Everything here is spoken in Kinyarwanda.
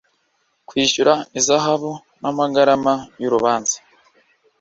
kwishyura ihazabu n’ amagarama y’urubanza